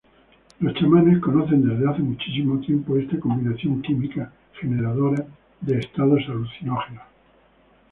Los chamanes conocen desde hace muchísimo tiempo esta combinación química generadora de estados alucinógenos.